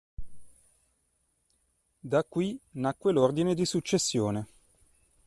Da qui nacque l'ordine di successione.